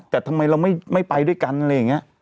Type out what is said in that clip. แต่ทำไมเราไม่ไปด้วยกันอะไรอย่างนี้